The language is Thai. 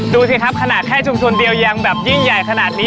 ดูสิครับขนาดแค่ชุมชนเดียวยังแบบยิ่งใหญ่ขนาดนี้